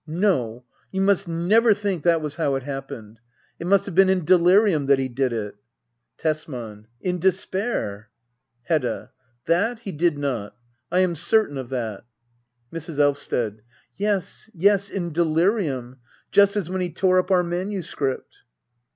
No, you must never think that was how it hap pened ! It must have been in delirium that he did it. Tesman. In despair ! Hedda. That he did not. I am certain of that. Mrs. Elvsted. Yes, yes ! In delirium I Just as when he tore up our manuscript.